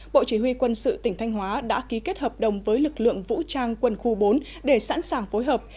bộ chỉ huy quân sự tỉnh thanh hóa đã ký kết hợp đồng với lực lượng vũ trang quân khu bốn để sẵn sàng phối hợp